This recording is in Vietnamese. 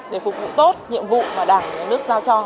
để phục vụ tốt nhiệm vụ mà đảng nhà nước giao cho